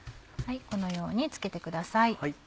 このようにつけてください。